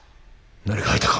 何か吐いたか？